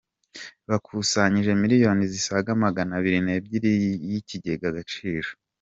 Bakusanyije miliyoni zisaga Maganabiri Nebyiri y’ikigega Agaciro